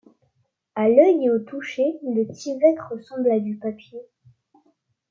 À l'œil et au toucher, le Tyvek ressemble à du papier.